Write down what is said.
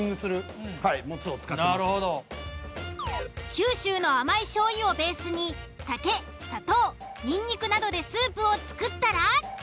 九州の甘い醤油をベースに酒・砂糖・ニンニクなどでスープを作ったら。